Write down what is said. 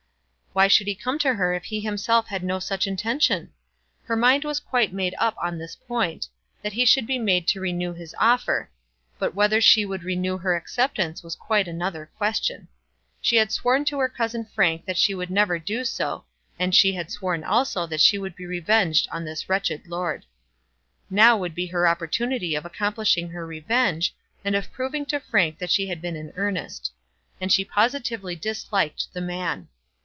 Why should he come to her if he himself had no such intention? Her mind was quite made up on this point, that he should be made to renew his offer; but whether she would renew her acceptance was quite another question. She had sworn to her cousin Frank that she would never do so, and she had sworn also that she would be revenged on this wretched lord. Now would be her opportunity of accomplishing her revenge, and of proving to Frank that she had been in earnest. And she positively disliked the man.